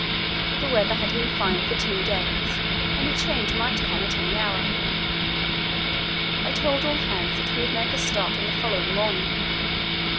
The weather had been fine for two days and a change might come at any hour. I told all hands that we would make a start early on the following morning.